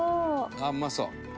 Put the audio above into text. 「あっうまそう」